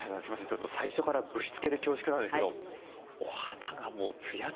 ちょっと最初からぶしつけで恐縮なんですけどお肌がもうツヤツヤでいらっしゃって。